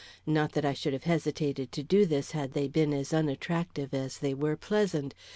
Not that I should have hesitated to do this had they been as unattractive as they were pleasant.